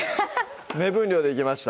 目分量でいきました